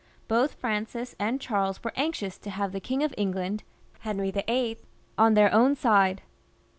Both Francis and Charles were anxious to have the King of England, Henry VIII., on their own side.